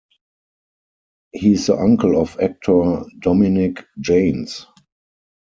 He is the uncle of actor Dominic Janes.